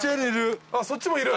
あっそっちもいる？